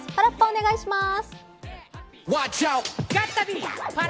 パラッパお願いします。